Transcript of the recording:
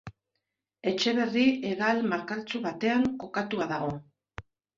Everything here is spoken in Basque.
Etxeberri hegal malkartsu batean kokatua dago.